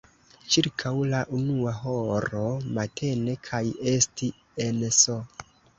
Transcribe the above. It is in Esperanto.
ĉirkaŭ la unua horo matene kaj esti en S.